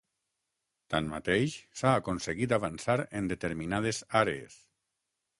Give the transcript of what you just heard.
Tanmateix, s'ha aconseguit avançar en determinades àrees.